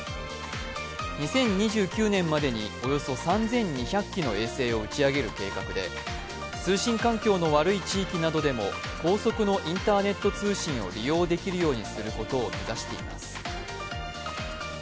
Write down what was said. ２０２９年までにおよそ３２００基の衛星を打ち上げる計画で通信環境の悪い地域などでも高速のインターネット通信を利用できるようにすることを目指しています。